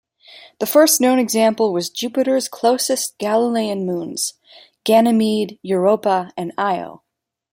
The first known example was Jupiter's closest Galilean moons - Ganymede, Europa and Io.